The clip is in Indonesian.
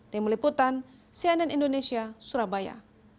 tim liputan cnn indonesia surabaya